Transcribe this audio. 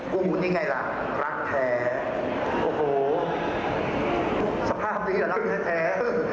กูนี่ไงล่ะรักแท้โอ้โหสภาพนี้แหละรักแท้